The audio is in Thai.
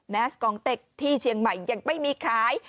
แมสกองเต็กที่เชียงใหม่ยังไม่มีขาย